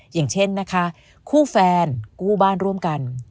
อย่างเช่นนะคะคู่แฟนคู่บ้านร่วมกัน